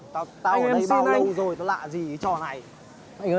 tao ở đây bao lâu rồi tao lạ gì cái trò này